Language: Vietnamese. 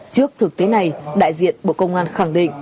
trước thực tế này đại diện bộ công an khẳng định